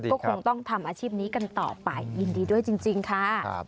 ก็คงต้องทำอาชีพนี้กันต่อไปยินดีด้วยจริงค่ะ